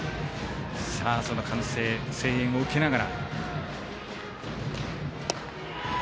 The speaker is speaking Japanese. その歓声、声援を受けながら。